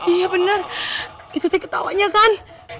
iya bener itu teh ketawanya kan